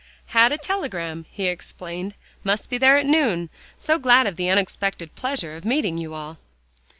"Had a telegram," he explained; "must be there at noon. So glad of the unexpected pleasure of meeting you all."